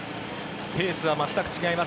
ペースは全く違います。